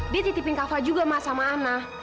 dia titipin kak fah juga ma sama ana